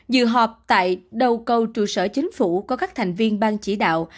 dự họp tại đầu cầu trụ sở chính phủ có các thành viên ban chỉ đạo